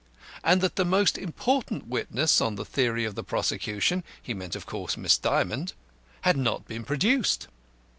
and that the most important witness on the theory of the prosecution he meant, of course, Miss Dymond had not been produced.